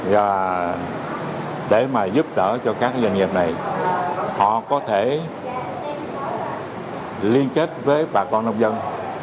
và để mà giúp đỡ cho các doanh nghiệp này họ có thể liên kết với bà con nông dân